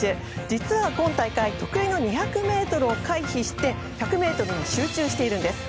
実は今大会得意の２００ｍを回避して１００ｍに集中しているんです。